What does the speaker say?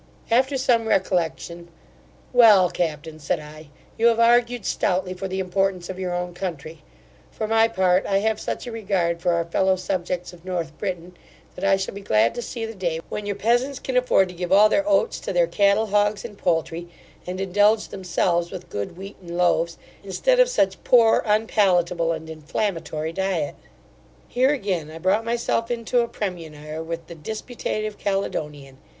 After some recollection, 'Well, captain (said I), you have argued stoutly for the importance of your own country: for my part, I have such a regard for our fellow subjects of North Britain, that I shall be glad to see the day, when your peasants can afford to give all their oats to their cattle, hogs, and poultry, and indulge themselves with good wheaten loaves, instead of such poor, unpalatable, and inflammatory diet.' Here again I brought my self into a premunire with the disputative Caledonian.